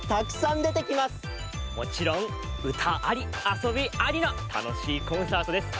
もちろんうたありあそびありのたのしいコンサートです。